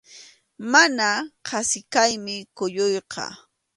Mana qasi kaymi kuyuyqa.